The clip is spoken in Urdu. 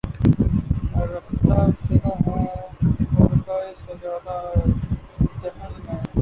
رکھتا پھروں ہوں خرقہ و سجادہ رہن مے